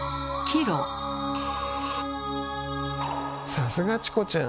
さすがチコちゃん。